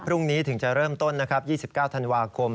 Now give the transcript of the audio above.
พรุ่งนี้ถึงจะเริ่มต้นนะครับ๒๙ธันวาคม